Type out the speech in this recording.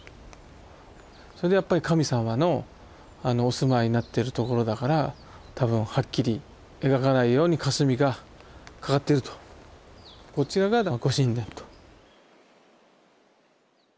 それでやっぱり神様のお住まいになってるところだから多分はっきり描かないようにかすみがかかってるとこちらがご神殿と。